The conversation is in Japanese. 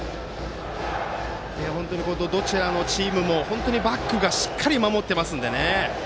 どちらのチームもバックがしっかり守ってますので。